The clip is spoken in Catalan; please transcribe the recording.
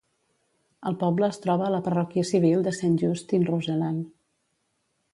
El poble es troba a la parròquia civil de Saint Just in Roseland.